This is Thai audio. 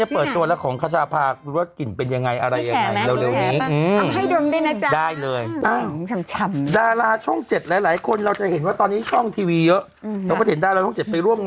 เปิดพี่ไหนฮะที่ไหน